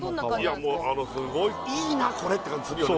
いやもうあのすごいいいなこれって感じするよね